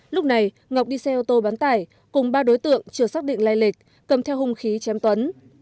lúc này ngọc đi xe ô tô bán tải cùng ba đối tượng chưa xác định lai lịch cầm theo hung khí chém tuấn